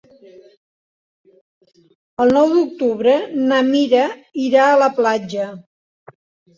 El nou d'octubre na Mira irà a la platja.